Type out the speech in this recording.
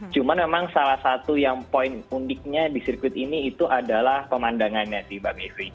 cuman memang salah satu yang poin uniknya di sirkuit ini itu adalah pemandangannya